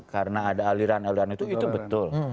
karena ada aliran aliran itu itu betul